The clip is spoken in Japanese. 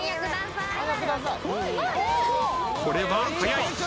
これは早い。